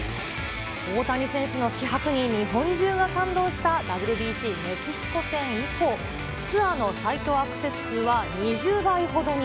大谷選手の気迫に、日本中が感動したＷＢＣメキシコ戦以降、ツアーのサイトアクセス数は２０倍ほどに。